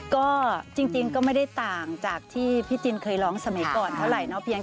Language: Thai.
ก็จริงก็ไม่ได้ต่างจากที่พี่จินเคยร้องสมัยก่อนเท่าไหร่เนาะ